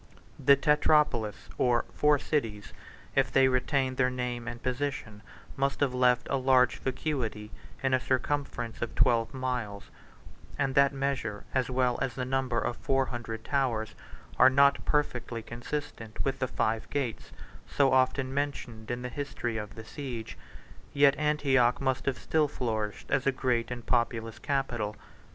The Tetrapolis, or four cities, if they retained their name and position, must have left a large vacuity in a circumference of twelve miles; and that measure, as well as the number of four hundred towers, are not perfectly consistent with the five gates, so often mentioned in the history of the siege. Yet Antioch must have still flourished as a great and populous capital.